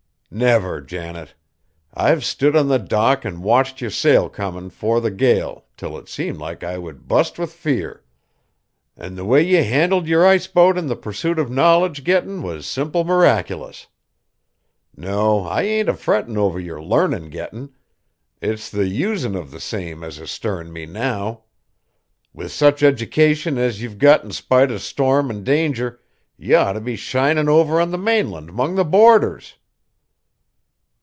"Never, Janet. I've stood on the dock and watched yer sail comin' 'fore the gale, till it seemed like I would bust with fear. An' the way ye handled yer ice boat in the pursuit of knowledge gettin' was simple miraculous! No, I ain't a frettin' over yer larnin' gettin'; it's the us'n' of the same as is stirrin' me now. With such edication as ye've got in spite of storm an' danger, ye ought to be shinin' over on the mainland 'mong the boarders!"